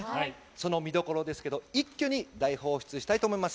その見どころを一挙に大放出したいと思います。